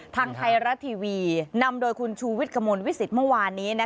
ทางไทยรัฐทีวีนำโดยคุณชูวิทย์กระมวลวิสิตเมื่อวานนี้